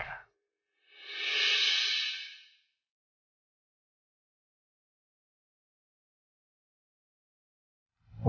kamu sudah pulang